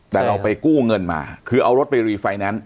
แต่เราไปกู้เงินมาคือเอารถไปรีไฟแนนซ์